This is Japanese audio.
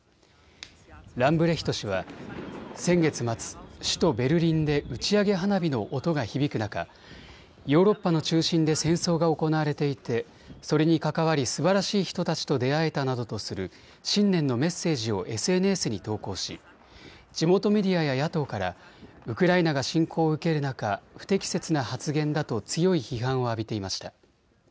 ランブレヒト氏は先月末、首都ベルリンで打ち上げ花火の音が響く中、ヨーロッパの中心で戦争が行われていて、それに関わりすばらしい人たちと出会えたなどとする新年のメッセージをＳＮＳに投稿し地元メディアや野党からウクライナが侵攻を受ける中、不適切な発言だと強い批判を浴びていました。